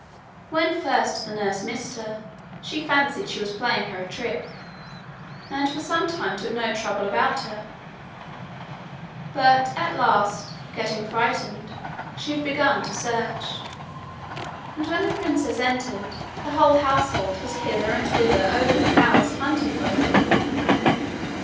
When first the nurse missed her, she fancied she was playing her a trick, and for some time took no trouble about her; but at last, getting frightened, she had begun to search; and when the princess entered, the whole household was hither and thither over the house, hunting for her.